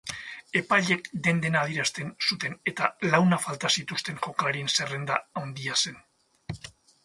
Epaileek den-dena adierazten zuten eta launa falta zituzten jokalarien zerrenda handia zen.